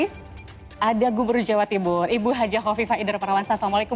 kampung tangguh semeru jawa timur ibu hj khofifah idharaparawansa assalamualaikum